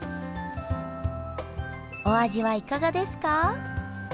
お味はいかがですか？